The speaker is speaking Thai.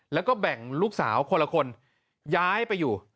แล้วก็แบ่งลูกสาวคนละคนย้ายไปอยู่